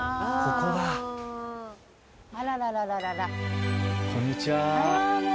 こんにちは。